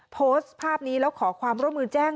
โพสต์ภาพนี้แล้วขอความร่วมมือแจ้ง